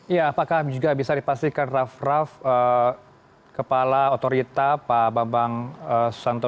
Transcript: ya apakah juga bisa dipastikan raff raff kepala otorita pak bambang susanto